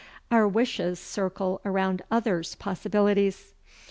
Our wishes circle around others' possibilities.